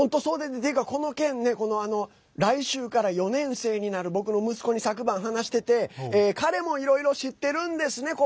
ていうか、この件ね来週から４年生になる僕の息子に昨晩、話してて彼も、いろいろ知ってるんですね。